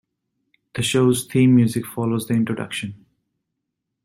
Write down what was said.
The show's theme music follows the introduction.